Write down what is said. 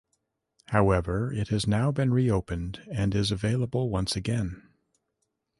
However it has now been reopened and is available once again.